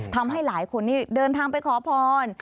ทำให้หลายคนนี่เดินทางไปขอพร